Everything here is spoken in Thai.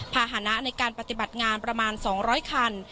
ภาษณะในการปฏิบัติงานประมาณ๒๐๐คัน